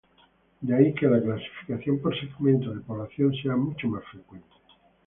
De ahí que la clasificación por segmento de población sea mucho más frecuente.